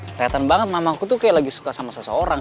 keliatan banget mama aku tuh kayak lagi suka sama seseorang